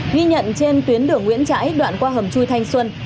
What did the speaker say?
ghi nhận trên tuyến đường nguyễn trãi đoạn qua hầm chui thanh xuân